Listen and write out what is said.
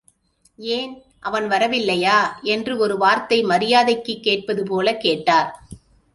ஏன், அவன் வரவில்லையா? என்று ஒரு வார்த்தை மரியாதைக்குக் கேட்பது போலக் கேட்டார்.